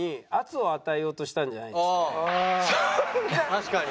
確かに。